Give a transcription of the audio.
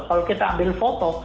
kalau kita ambil foto